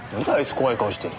怖い顔して。